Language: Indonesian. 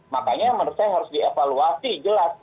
makanya menurut saya harus dievaluasi jelas